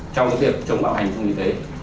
trong các việc chống bạo hành trong y tế